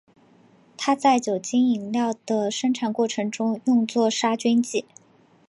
它在酒精饮料的生产过程中用作杀菌剂。